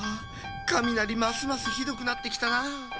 かみなりますますひどくなってきたなあ。